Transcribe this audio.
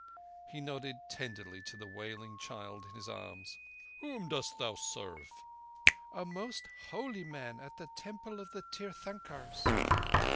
He nodded tenderly to the wailing child in his arms. "Whom dost thou serve?" "A most holy man at the Temple of the Tirthankers."